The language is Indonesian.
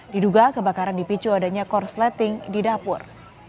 diduga kebakaran dipicu adanya korsleting di dapur